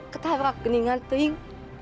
ketabrak geningan teing